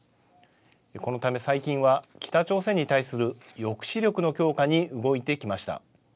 このため最近は北朝鮮に対する抑止力の強化に動いてきました。